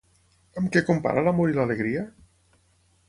Amb què compara l'amor i l'alegria?